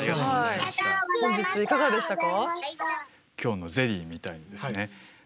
本日いかがでしたか？